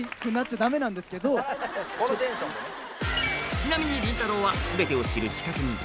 ちなみにりんたろーは全てを知る仕掛人。